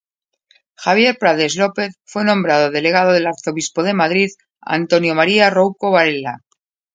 Javier Prades López fue nombrado delegado del arzobispo de Madrid, Antonio María Rouco Varela.